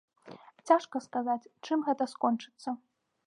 Цяжка сказаць, чым гэта скончыцца.